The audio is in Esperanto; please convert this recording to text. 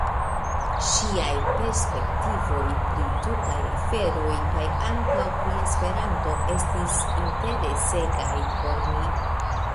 Ŝiaj perspektivoj pri tutaj aferoj, kaj ankaŭ pri Esperanto, estis interesegaj por mi.